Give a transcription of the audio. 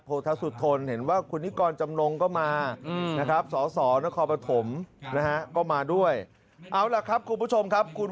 โอ้โฮนักข่าวถาม